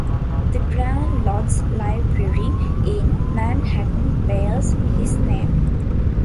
The Grand Lodge's library in Manhattan bears his name.